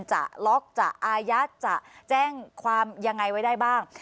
จะล็อกจะอายัดจะแจ้งความยังไงไว้ได้บ้าง